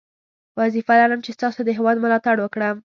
وظیفه لرم چې ستاسو د هیواد ملاتړ وکړم.